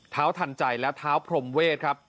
ทันใจและเท้าพรมเวทครับ